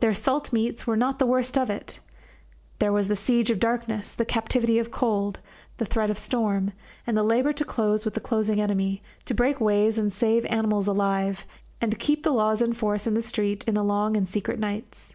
Their salt meats were not the worst of it; there was the siege of darkness, the captivity of cold, the threat of storm, and the labour to close with the closing enemy, to break ways and save animals alive, and keep the laws in force in the street in the long and secret nights.